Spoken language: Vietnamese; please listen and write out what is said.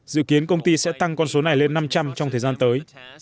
dự kiến công ty sẽ tăng con số này lên năm trăm linh trong thời gian tới